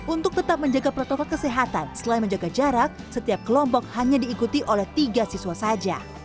untuk tetap menjaga protokol kesehatan selain menjaga jarak setiap kelompok hanya diikuti oleh tiga siswa saja